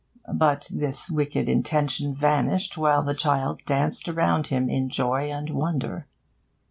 But this wicked intention vanished while the child danced around him in joy and wonder.